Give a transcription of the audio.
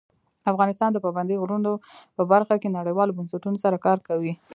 افغانستان د پابندی غرونه په برخه کې نړیوالو بنسټونو سره کار کوي.